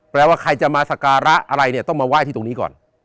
ว่าใครจะมาสการะอะไรเนี่ยต้องมาไหว้ที่ตรงนี้ก่อน